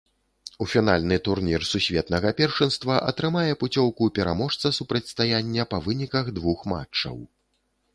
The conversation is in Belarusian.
У фінальны турнір сусветнага першынства атрымае пуцёўку пераможца супрацьстаяння па выніках двух матчаў.